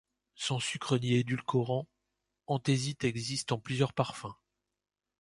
Sans sucre ni édulcorant, Antésite existe en plusieurs parfums.